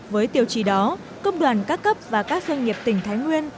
với tiêu chí đó công đoàn các cấp và các doanh nghiệp tỉnh thái nguyên